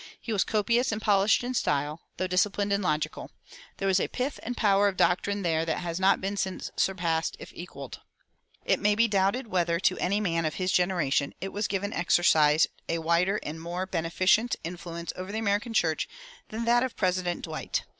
He was copious and polished in style, though disciplined and logical. There was a pith and power of doctrine there that has not been since surpassed, if equaled."[243:2] It may be doubted whether to any man of his generation it was given to exercise a wider and more beneficent influence over the American church than that of President Dwight.